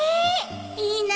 いいな。